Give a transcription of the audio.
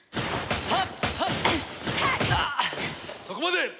そこまで！